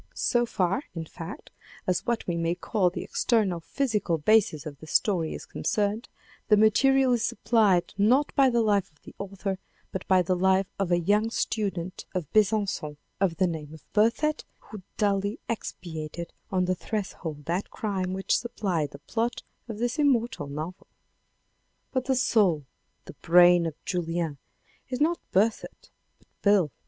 So far, in fact, as what we may call the external physical basis of the story is concerned, the material is supplied not by the life of the author, but by the life of a young student of Besancon, of the name of Berthet, who duly expiated on the threshold that crime which supplied the plot of this immortal novel. But the soul, the brain of Julien is not Berthet but Beyle.